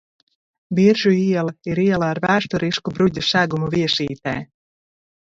Biržu iela ir iela ar vēsturisku bruģa segumu Viesītē.